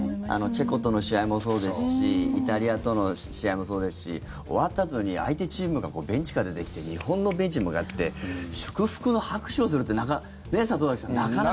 チェコとの試合もそうですしイタリアとの試合もそうですし終わったあとに相手チームがベンチから出てきて日本のベンチに向かって祝福の拍手をするって里崎さん、なかなか。